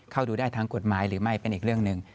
เข้าดูได้ทางกฎหมายหรือไม่เป็นอีกเรื่องหนึ่ง